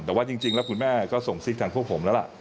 แต่ว่าจริงแล้วคุณแม่ก็ส่งซิกทางพวกผมแล้วล่ะ